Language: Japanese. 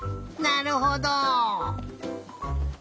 なるほど！